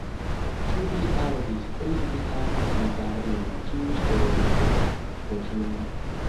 Ĉu vi aŭdis pri via najbarino kiu ŝtelis la kokinon?